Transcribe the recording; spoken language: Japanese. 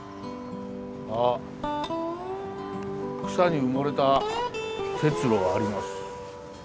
あ草に埋もれた鉄路はあります。